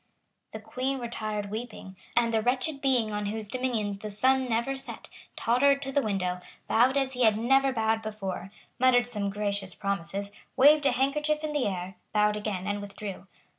The Queen retired weeping; and the wretched being on whose dominions the sun never set tottered to the window, bowed as he had never bowed before, muttered some gracious promises, waved a handkerchief in the air, bowed again, and withdrew.